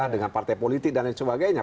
dengan partai politik dan lain sebagainya